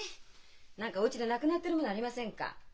何かおうちで無くなってるものありませんか？